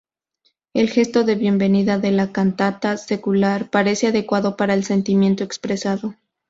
El gesto de bienvenida de la cantata secular parece adecuado para el sentimiento expresado.